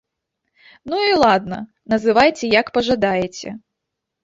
Ну і ладна, называйце як пажадаеце.